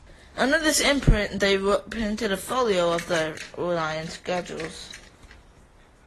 Under this imprint, they printed a folio of Rhode Island schedules.